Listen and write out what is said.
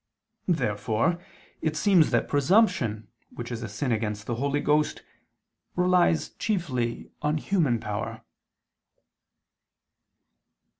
Therefore it seems that presumption which is a sin against the Holy Ghost, relies chiefly on human power.